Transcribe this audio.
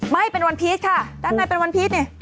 ไม่เป็นวันพีชค่ะด้านในเป็นวันพีชนี่